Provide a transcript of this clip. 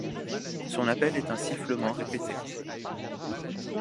Son appel est un sifflement répété.